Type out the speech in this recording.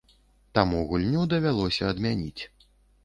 Таму гульню давялося адмяніць.